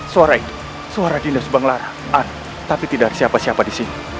suara itu suara dinda subang lara tapi tidak ada siapa siapa di sini